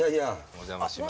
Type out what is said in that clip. お邪魔します。